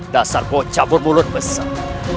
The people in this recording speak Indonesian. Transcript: dasarku cabut mulut besar